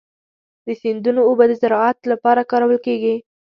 د سیندونو اوبه د زراعت لپاره کارول کېږي.